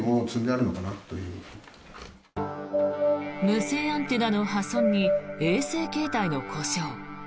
無線アンテナの破損に衛星携帯の故障。